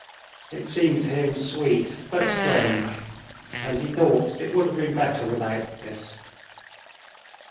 It seemed to him sweet, but strange, and he thought it would have been better without this.